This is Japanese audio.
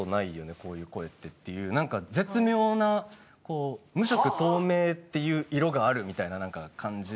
こういう声ってっていう何か絶妙なこう無色透明っていう色があるみたいな何か感じの。